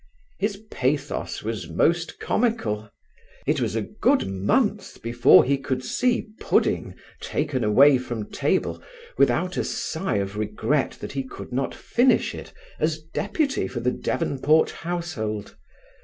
His pathos was most comical. It was a good month before he could see pudding taken away from table without a sigh of regret that he could not finish it as deputy for the Devonport household.